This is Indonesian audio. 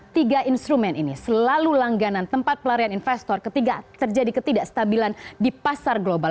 tiga instrumen ini selalu langganan tempat pelarian investor ketika terjadi ketidakstabilan di pasar global